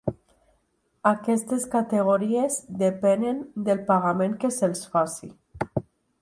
Aquestes categories depenen del pagament que se'ls faci.